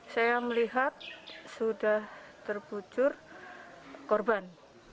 saya melihat sudah terbucur korban